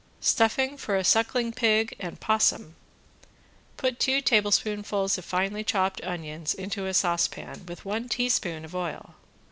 ~STUFFING FOR A SUCKLING PIG AND 'POSSUM~ Put two tablespoonfuls of finely chopped onions into a saucepan with one teaspoon of oil.